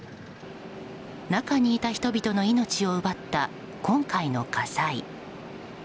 中にいた人々の命を奪った今回の火災。